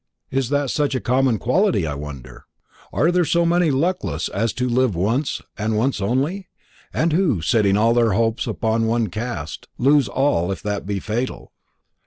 Is that such a common quality, I wonder? are there many so luckless as to love once and once only, and who, setting all their hopes upon one cast, lose all if that be fatal?"